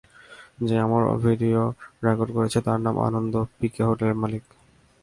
যে আমার video record করেছে, তার নাম আনন্দ, পিকে হোটেলের মালিক।